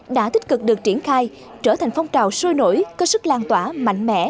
đã tích cực được triển khai trở thành phong trào sôi nổi có sức lan tỏa mạnh mẽ